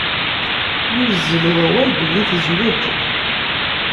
Yuzzel wawal belli tezweǧ.